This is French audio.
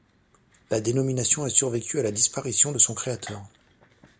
La dénomination a survécu à la disparition de son créateur.